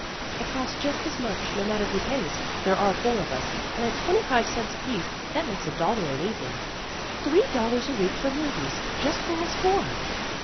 "It costs just as much, no matter who pays. There are four of us; and at twenty five cents apiece, that makes a dollar an evening. Three dollars a week for movies, just for us four."